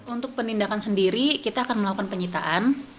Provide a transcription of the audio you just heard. untuk penindakan sendiri kita akan melakukan penyitaan